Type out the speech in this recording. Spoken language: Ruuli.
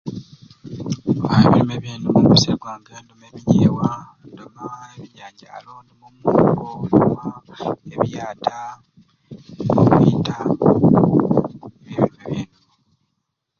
Aaa ebirime byenduma omusiiri gwange nduuma ebinyebwa, nduuma ebijanjalo, nduuma omwoogo, nduuma ebiyata nobwiita, ebyo nibyo byenduma.